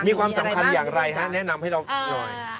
มีความสำคัญอย่างไรฮะแนะนำให้เราหน่อย